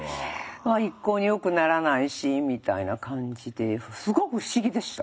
一向によくならないしみたいな感じですごく不思議でした。